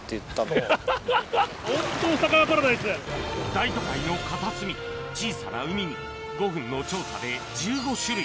大都会の片隅小さな海に５分の調査で１５種類